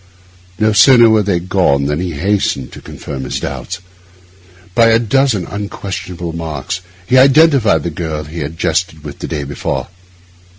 No sooner were they gone than he hastened to confirm his doubts. By a dozen unquestionable marks he identified the girl he had jested with the day before.